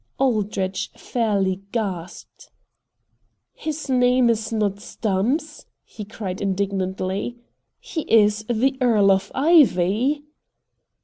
'" Aldrich fairly gasped. "His name is not Stumps!" he cried indignantly. "He is the Earl of Ivy!"